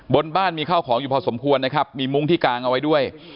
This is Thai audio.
บนบ้านมีข้าวของอยู่พอสมควรนะครับมีมุ้งที่กางเอาไว้ด้วย